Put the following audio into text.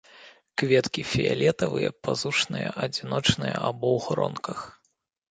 Кветкі фіялетавыя, пазушныя, адзіночныя або ў гронках.